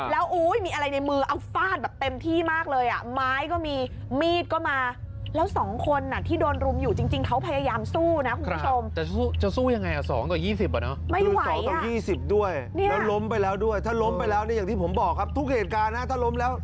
แล้วอุ้ยมีอะไรในมือเอาฟาดแบบเต็มที่มากเลยอ่ะไม้ก็มีมีดก็มาแล้วสองคนน่ะที่โดนรุมอยู่จริงจริงเขาพยายามสู้นะคุณผู้ชมแต่สู้จะสู้ยังไงอ่ะสองต่อยี่สิบอ่ะเนอะไม่ไหวอ่ะคือสองต่อยี่สิบด้วยเนี่ยแล้วล้มไปแล้วด้วยถ้าล้มไปแล้วเนี่ยอย่างที่ผมบอกครับทุกเหตุการณ์น่ะถ้าล้มแล้ว